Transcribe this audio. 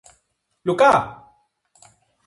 Λουκά!